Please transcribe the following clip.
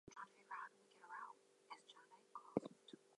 C. P. had his schooling at the Wesley College High School in Madras.